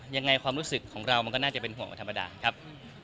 ยังไงความรู้สึกของเรามันก็น่าจะเป็นห่วงกว่าธรรมดาครับ